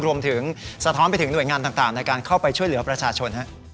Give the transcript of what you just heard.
สะท้อนไปถึงหน่วยงานต่างในการเข้าไปช่วยเหลือประชาชน